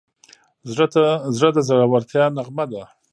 زړه د زړورتیا نغمه ده.